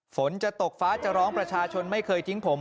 ฝนจะตกฟ้าจะร้องประชาชนไม่เคยทิ้งผม